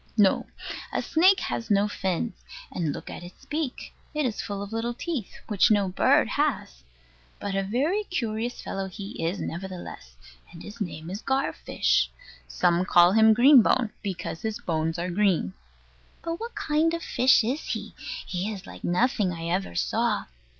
No: a snake has no fins; and look at its beak: it is full of little teeth, which no bird has. But a very curious fellow he is, nevertheless: and his name is Gar fish. Some call him Green bone, because his bones are green. But what kind of fish is he? He is like nothing I ever saw.